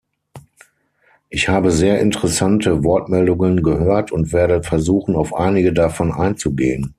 Ich habe sehr interessante Wortmeldungen gehört und werde versuchen, auf einige davon einzugehen.